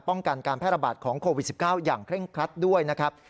ป้องกันการแพร่ระบาดของโควิด๑๙อย่างเคร่งครัดด้วยนะครับ